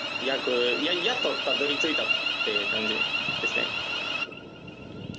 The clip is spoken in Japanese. やっとたどり着いたという感じですね。